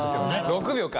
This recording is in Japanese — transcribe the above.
６秒か。